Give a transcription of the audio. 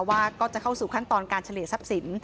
ว่าก็จะเข้าสู่ขั้นตอนการเฉลี่ยทรัพย์สิน